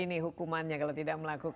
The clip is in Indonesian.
dan ini hukumannya kalau tidak melakukan itu